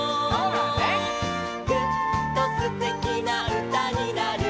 「ぐっとすてきな歌になる」